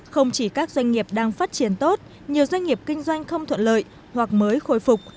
không chỉ các doanh nghiệp đang phát triển tốt nhiều doanh nghiệp kinh doanh không thuận lợi hoặc mới khôi phục